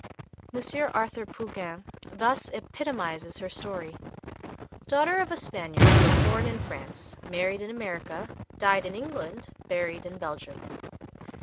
M. Arthur Pougin thus epitomizes her story: "Daughter of a Spaniard, born in France, married in America, died in England, buried in Belgium.